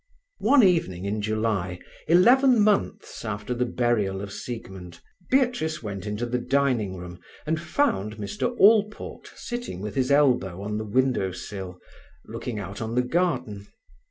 One evening in July, eleven months after the burial of Siegmund, Beatrice went into the dining room and found Mr Allport sitting with his elbow on the window sill, looking out on the garden.